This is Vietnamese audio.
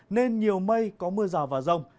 nên nhiều mây có mưa rào và rông